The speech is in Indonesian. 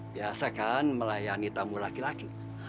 biasa kan melayani tamu laki laki